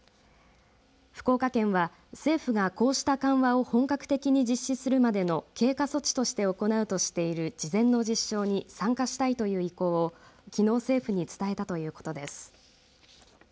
福岡県は政府がこうした緩和を本格的に実施するまでの経過措置として行うとしている事前の実証に参加したいという意向をきのう政府に伝えたということです。